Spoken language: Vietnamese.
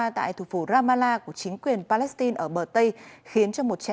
tại thủ phủ ramallah của chính quyền palestine